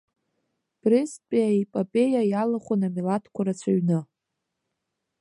Бресттәи аепопеиа иалахәын амилаҭқәа рацәаҩны.